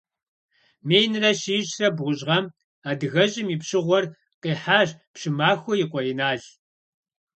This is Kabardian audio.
Минрэ щищрэ бгъущӏ гъэм адыгэщӏым и пщыгъуэр къихьащ Пщымахуэ и къуэ Инал.